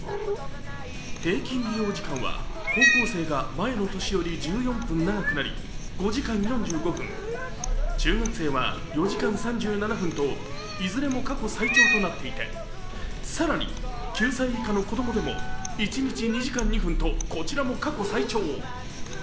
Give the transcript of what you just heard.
平均利用時間は、高校生が前の年より１４分長くなり５時間４５分、中学生は４時間３７分といずれも過去最長となっていて更に、９歳以下の子どもでも一日２時間２分とこちらも過去最長。